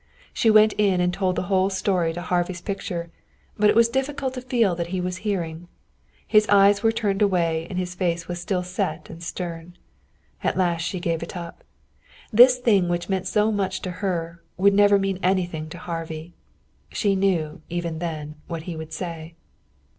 She went in and told the whole story to Harvey's picture, but it was difficult to feel that he was hearing. His eyes were turned away and his face was set and stern. And, at last, she gave it up. This thing which meant so much to her would never mean anything to Harvey. She knew, even then, what he would say.